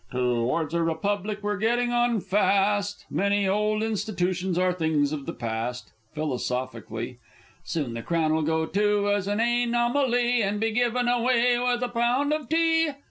_) To wards a Republic we're getting on fast; Many old Institootions are things of the past. (Philosophically) Soon the Crown 'll go, too, as an a noma lee, And be given away with a Pound of Tea!